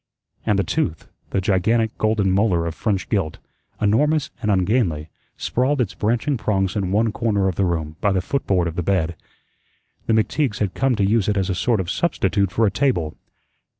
And the tooth, the gigantic golden molar of French gilt, enormous and ungainly, sprawled its branching prongs in one corner of the room, by the footboard of the bed. The McTeague's had come to use it as a sort of substitute for a table.